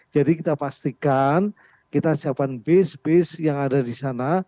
jadi kita pastikan kita siapkan bis bis yang ada di sana